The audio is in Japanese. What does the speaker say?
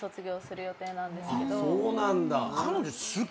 そうなんだ。